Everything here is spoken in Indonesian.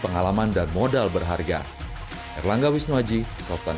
nggak ada masalah sampai saat ini